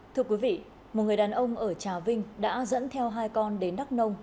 thưa quý vị một người đàn ông ở trà vinh đã dẫn theo hai con đến đắk nông